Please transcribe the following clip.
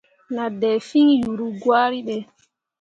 Nah dai fîi yuru gwari ɓe.